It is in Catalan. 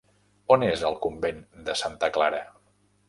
On és el convent de Santa Clara?